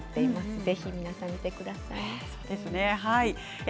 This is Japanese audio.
ぜひ皆さん見てください。